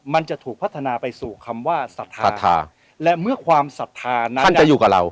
มันจะถูกพัฒนาไปสู่คำว่าศรัทธาศรัทธาและเมื่อความศรัทธานั้นท่านจะอยู่กับเรา